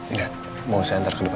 iya mau saya hantar ke depan